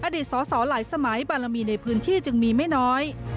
อดีตสอสอหลายสมัยบารมีในพื้นที่จึงมีไม่น้อย